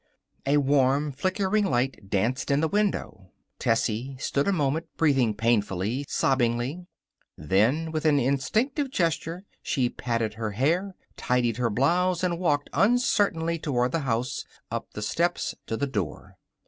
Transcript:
A warm, flickering light danced in the window. Tessie stood a moment, breathing painfully, sobbingly. Then, with an instinctive gesture, she patted her hair, tidied her blouse, and walked uncertainly toward the house, up the steps to the door.